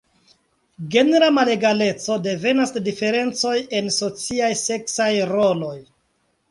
Genra malegaleco devenas de diferencoj en sociaj seksaj roloj.